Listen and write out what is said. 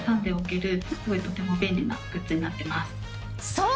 そう！